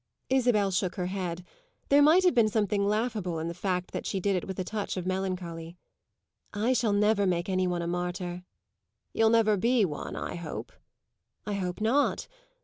Isabel shook her head; there might have been something laughable in the fact that she did it with a touch of melancholy. "I shall never make any one a martyr." "You'll never be one, I hope." "I hope not.